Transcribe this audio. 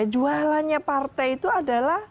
jualannya partai itu adalah